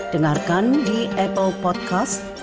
dengarkan di apple podcast